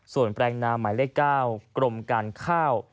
ส่วนแปลงนามหมายเลข๙กรมการข้าว